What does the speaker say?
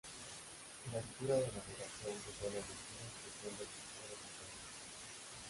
La estructura de navegación se suele elegir en función del tipo de contenido.